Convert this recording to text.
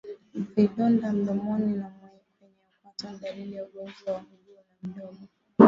Vidonda mdomoni na kwenye kwato ni dalili ya ugonjwa wa miguu na midomo